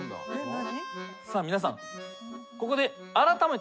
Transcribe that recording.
何？